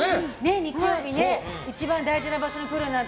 日曜日一番大事な場所に来るなんて